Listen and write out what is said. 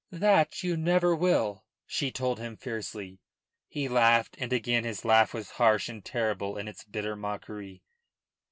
"That you never will," she told him fiercely. He laughed, and again his laugh was harsh and terrible in its bitter mockery.